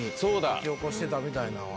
書き起こしてたみたいなのは。